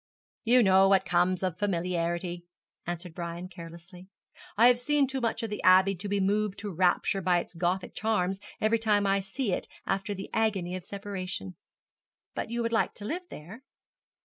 'You know what comes of familiarity,' answered Brian, carelessly. 'I have seen too much of the Abbey to be moved to rapture by its Gothic charms every time I see it after the agony of separation.' 'But you would like to live there?'